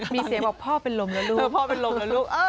มีเสียบอกพ่อเป็นรมแล้วลูก